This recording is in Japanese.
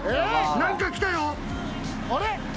何か来たよ！